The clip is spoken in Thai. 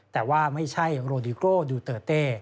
แต่ว่าไม่ใช่โรดิโก้ดูเตอร์เต้